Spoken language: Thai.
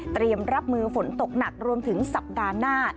เตรียมรับมือฝนตกหนักรวมถึงสัปดาห์หน้า